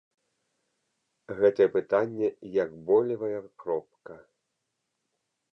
Гэтае пытанне як болевая кропка.